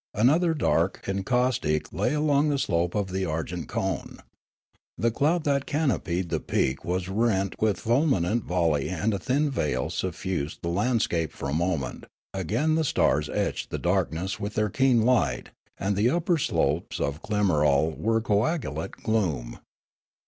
Another dark encaustic lay along the slope of the argent cone. The cloud that canopied the peak was rent with fulminant volley and a thin veil suffused the landscape for a moment ; again the stars etched the darkness with their keen light, and the upper slopes of Klimarol were coagulate gloom.